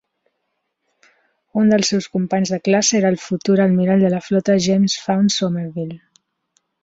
Un dels seus companys de classe era el futur almirall de la flota James Fownes Somerville.